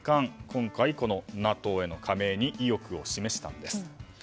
今回、ＮＡＴＯへの加盟に意欲を示したんです。